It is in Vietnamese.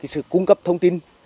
sự cung cấp thông tin